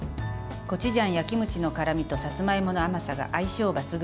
コチュジャンやキムチの辛味とさつまいもの甘さが相性抜群。